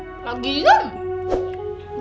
kenapa disambungin sama jalangkung